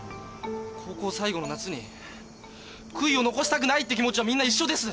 高校最後の夏に悔いを残したくないっていう気持ちはみんな一緒です。